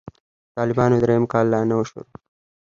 د طالبانو درېيم کال لا نه و شروع.